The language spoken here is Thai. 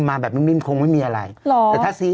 มาแบบนิ่มคงไม่มีอะไร